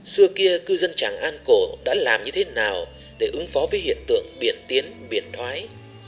xưa kia cư dân tràng an cổ đã làm như thế nào để ứng phó với hiện tượng biện tiến biển thoái